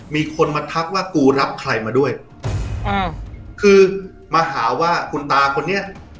มีคนมาทักว่ากูรับใครมาด้วยอ่าคือมาหาว่าคุณตาคนนี้